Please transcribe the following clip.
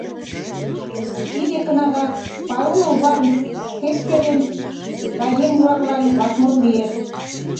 “Тиде кнага Пауль Ван-Хеккерен гай еҥ-влаклан вашмут лиеш”.